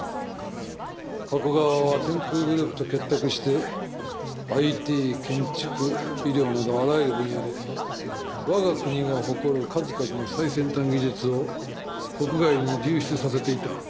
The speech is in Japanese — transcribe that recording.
加古川は天空グループと結託してＩＴ建築医療などあらゆる分野で我が国が誇る数々の最先端技術を国外に流出させていた。